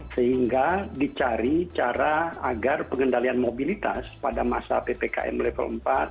sehingga dicari cara agar pengendalian mobilitas pada masa ppkm level empat